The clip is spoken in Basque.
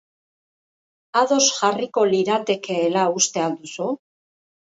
Ados jarriko liratekeela uste al duzu?